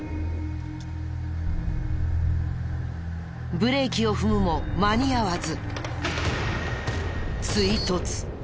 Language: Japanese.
ブレーキを踏むも間に合わず。